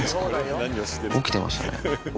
起きてましたね。